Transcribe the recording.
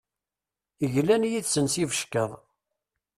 Glan yid-sen s ibeckaḍ.